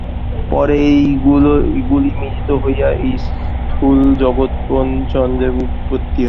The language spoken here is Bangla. পরে এইগুলি মিলিত হইয়া এই স্থূল জগৎপ্রপঞ্চের উৎপত্তি।